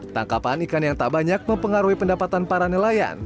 tangkapan ikan yang tak banyak mempengaruhi pendapatan para nelayan